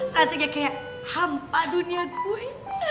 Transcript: rasanya kayak hampa dunia gue